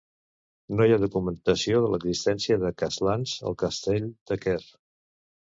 No hi ha documentació de l'existència de castlans al castell de Quer.